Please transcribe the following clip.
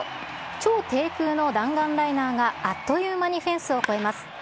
超低空の弾丸ライナーが、あっという間にフェンスを越えます。